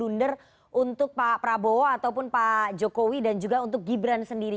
jangan sampai strategi yang diambil justru blunder untuk pak prabowo ataupun pak jokowi dan juga untuk gibran sendiri